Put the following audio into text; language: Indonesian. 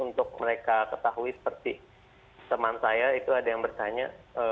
untuk mereka ketahui seperti teman saya itu ada yang bertanya